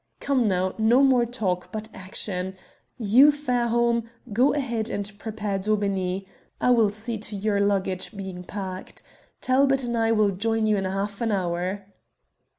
Come, now, no more talk, but action. You, Fairholme, go ahead and prepare Daubeney. I will see to your luggage being packed. Talbot and I will join you in half an hour."